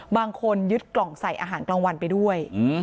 บางคนยึดกล่องใส่อาหารกลางวันไปด้วย